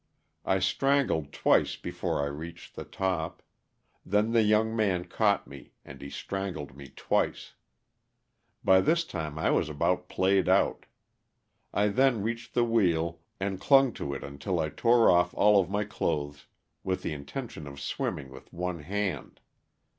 I strangled twice before I reached the top ; then the young man caught me and he strangled me twice. By this time I was about played out. 1 then reached the wheel, and clung to it until I tore off all of my clothes, with the intention of swimming with one hand.